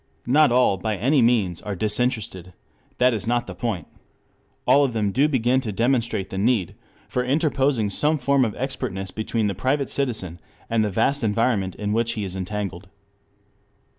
Not all by any means are disinterested. That is not the point. All of them do begin to demonstrate the need for interposing some form of expertness between the private citizen and the vast environment in which he is entangled.